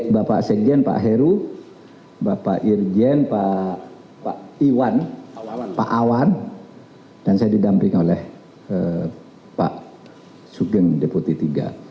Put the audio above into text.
bapak sekjen pak heru bapak irjen pak iwan pak awan dan saya didamping oleh pak sugeng deputi iii